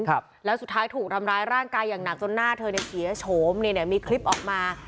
ครับแล้วสุดท้ายถูกทำร้ายร่างกายอย่างหนักจนหน้าเธอเนี่ยเสียโฉมเนี่ยเนี้ยมีคลิปออกมา